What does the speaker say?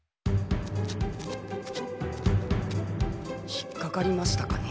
引っかかりましたかね。